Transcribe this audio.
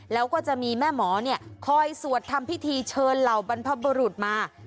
แล้วก็จะมีแม่หมอเนี่ยคอยสวดทำพิธีเชิญเหล่าบรรพบุรุษมา